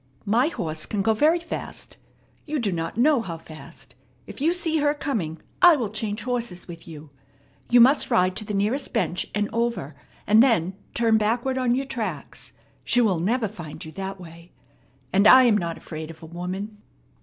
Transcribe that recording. "My horse can go very fast. You do not know how fast. If you see her coming, I will change horses with you. You must ride to the nearest bench and over, and then turn backward on your tracks. She will never find you that way. And I am not afraid of a woman."